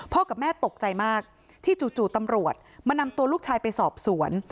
กับแม่ตกใจมากที่จู่ตำรวจมานำตัวลูกชายไปสอบสวน